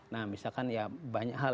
nah misalkan ya banyak hal